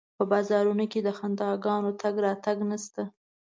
په بازارونو کې د خنداګانو تګ راتګ نشته